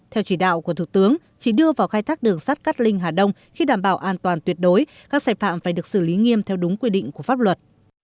theo chỉ đạo của thủ tướng chỉ đưa vào khai thác đường sắt cát linh hà đông khi đảm bảo an toàn tuyệt đối các sạch phạm phải được xử lý nghiêm theo đúng quy định của pháp luật